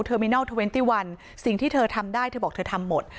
มินอลเทอร์เวนตี้วันสิ่งที่เธอทำได้เธอบอกเธอทำหมด